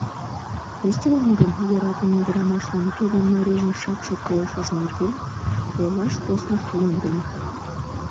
Костялан гын йӧратыме ӱдрамашлан тудын марийжын шакше койышыж нерген ойлаш поснак йӧндымӧ.